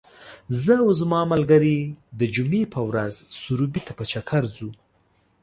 زه او زما ملګري د جمعې په ورځ سروبي ته په چکر ځو .